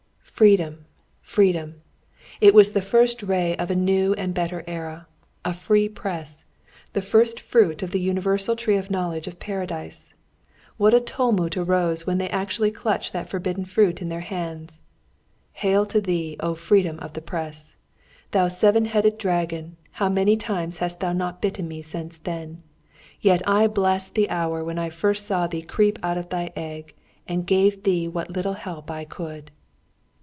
"Freedom, freedom!" It was the first ray of a new and better era!... A free press! the first fruit of the universal tree of knowledge of Paradise. What a tumult arose when they actually clutched that forbidden fruit in their hands.... Hail to thee, O Freedom of the Press! Thou seven headed dragon, how many times hast thou not bitten me since then! Yet I bless the hour when I first saw thee creep out of thy egg and gave thee what little help I could!